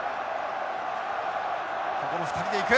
ここ２人で行く。